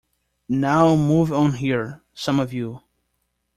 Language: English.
Now move on here, some of you.